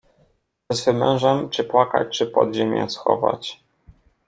Ze swym mężem, czy płakać, czy pod ziemię schować.